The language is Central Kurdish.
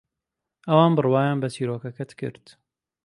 ئەوان بڕوایان بە چیرۆکەکەت کرد.